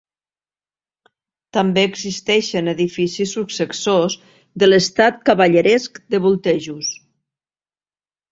També existeixen edificis successors de l'estat cavalleresc de Vultejus.